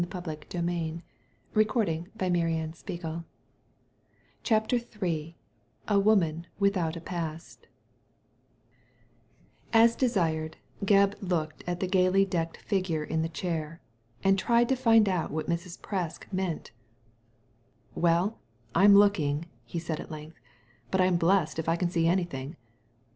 Digitized by Google CHAPTER III A WOMAN WITHOUT A PAST As desired, Gebb looked at the gaily decked figure in the chair, and tried to find out what Mrs. Presk meant "Well, I'm looking," he said at length, "but I'm blest if I can see anything."